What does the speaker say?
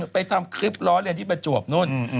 ไปทำคลิปร้อนที่ไปจวบนู่น